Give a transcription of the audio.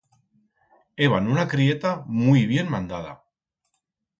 Heban una crieta muit bien mandada.